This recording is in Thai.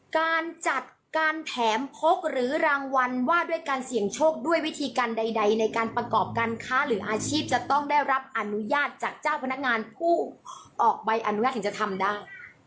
การจัดการแถมพกหรือรางวัลว่าด้วยการเสี่ยงโชคด้วยวิธีการใดในการประกอบการค้าหรืออาชีพจะต้องได้รับอนุญาตจากเจ้าพนักงานผู้ออกใบอนุญาตถึงจะทำได้